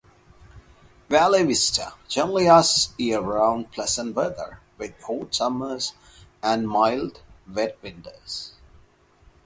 Valle Vista, generally has year-round pleasant weather, with hot summers and mild, wet winters.